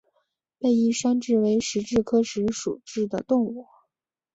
被衣山蛭为石蛭科石蛭属的动物。